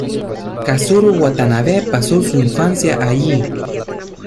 Kazuro Watanabe pasó su infancia allí.